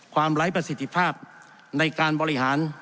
ไร้ประสิทธิภาพในการบริหาร